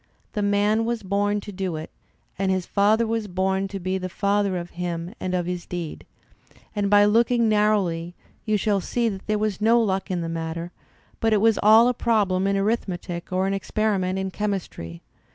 The man was bom to do it, and his father was bom to be the father of him and of his deed; and by looking narrowly you shall see there was no luck in the matter; but it was all a problem in arithmetic or an experi ment in chemistry.